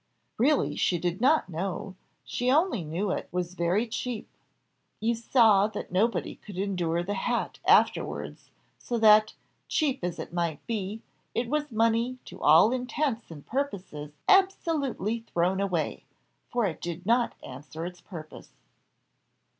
'Really she did not know; she only knew it was very cheap.' You saw that nobody could endure the hat afterwards; so that, cheap as it might be, it was money to all intents and purposes absolutely thrown away, for it did not answer its purpose."